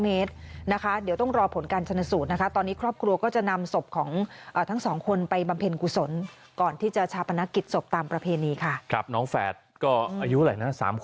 เอาไปก็อาจจะเป็นไม่ได้